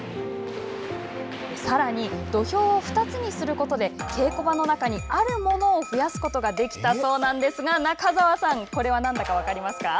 さらに、土俵を２つにすることで稽古場の中にあるものを増やすことができたそうなんですが中澤さん、これは何だか分かりますか。